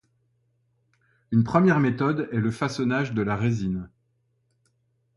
Une première méthode est le façonnage de la résine.